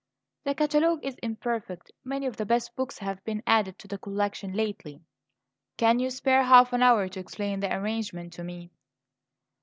"The catalogue is imperfect; many of the best books have been added to the collection lately." "Can you spare half an hour to explain the arrangement to me?"